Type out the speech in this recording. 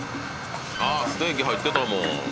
ステーキ入ってたもん。